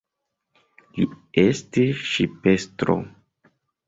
Li estis ŝipestro.